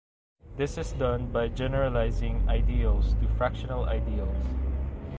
This is done by generalizing ideals to fractional ideals.